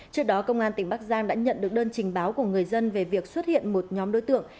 trước đó công an tỉnh bắc giang đã nhận được đơn trình báo của người dân về việc xuất hiện một nhóm đối tượng